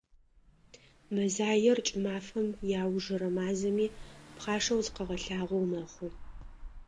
Мэзаер кӏымафэм иаужырэ мазэми, пхъашэу зыкъыгъэлъагъоу мэхъу.